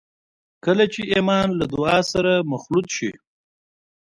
کله چې ایمان له دعا سره مخلوط شي